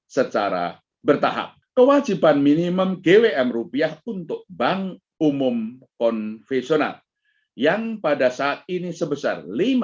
secara bertahap kewajiban minimum gwm rupiah untuk bank umum konvensional yang pada saat ini sebesar